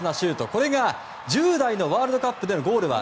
これが１０代のワールドカップでのゴールは